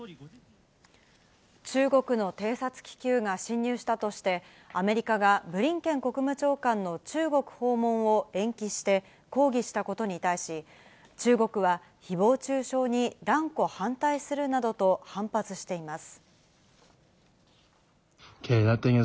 中国の偵察気球が侵入したとして、アメリカがブリンケン国務長官の中国訪問を延期して、抗議したことに対し、中国はひぼう中傷に断固反対するなどと反発しています。